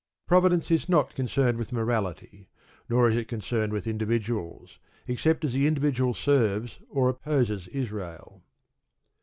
Providence is not concerned with morality; nor is it concerned with individuals, except as the individual serves or opposes Israel.